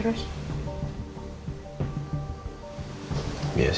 ketauan sama bosnya iqbal